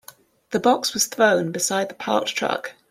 The box was thrown beside the parked truck.